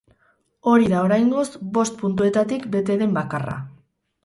Hori da, oraingoz, bost puntuetatik bete den bakarra.